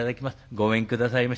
ごめんくださいまし」。